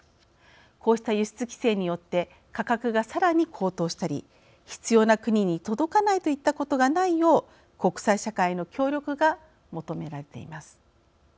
こうした輸出規制によって価格がさらに高騰したり必要な国に届かないといったことがないよう国際社会の協力が求められています。